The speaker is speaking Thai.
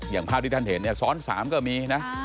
อย่างภาพที่ท่านเห็นเนี่ยซ้อน๓ก็มีนะ